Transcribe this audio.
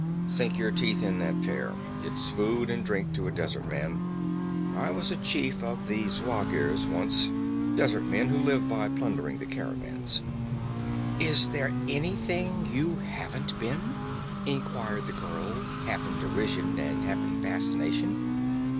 "Skin your teeth in that pear. It's food and drink to a desert man. I was a chief of the Zuagirs once desert men who live by plundering the caravans." "Is there anything you haven't been?" inquired the girl, half in derision and half in fascination.